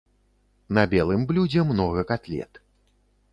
На белым блюдзе многа катлет.